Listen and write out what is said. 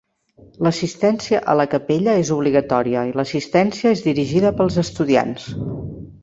L'assistència a la capella és obligatòria i l'assistència és dirigida pels estudiants.